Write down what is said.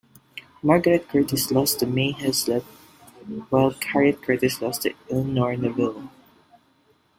Margaret Curtis lost to May Hezlet while Harriot Curtis lost to Elinor Neville.